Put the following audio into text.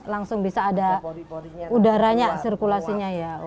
langsung bisa ada udaranya sirkulasinya ya